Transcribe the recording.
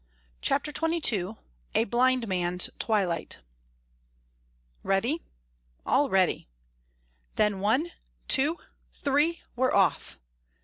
CHAPTER XXII A BLIND MAN'S TWILIGHT "Ready?" "All ready." "Then, one two three we're off!"